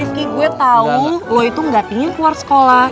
rizky gue tau lo itu gak pingin keluar sekolah